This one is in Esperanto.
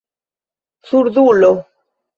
surdulo